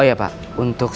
saya mau pergi ke rumah